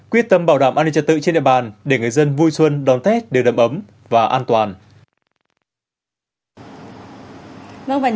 quyết tâm bảo đảm an ninh trật tự trên địa bàn để người dân vui xuân đón tết đều đậm ấm và an toàn